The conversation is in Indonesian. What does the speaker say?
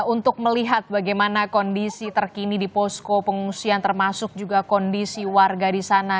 untuk melihat bagaimana kondisi terkini di posko pengungsian termasuk juga kondisi warga di sana